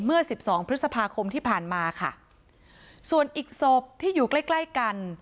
สิบสองพฤษภาคมที่ผ่านมาค่ะส่วนอีกศพที่อยู่ใกล้ใกล้กัน